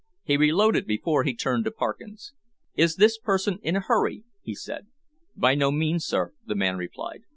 He reloaded before he turned to Parkins. "Is this person in a hurry?" he said. "By no means, sir," the man replied.